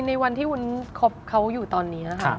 ในวันที่วุ้นคบเขาอยู่ตอนนี้ค่ะ